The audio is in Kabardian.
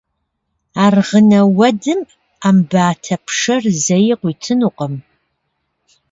Аргъынэ уэдым Ӏэмбатэ пшэр зэи къуитынукъым.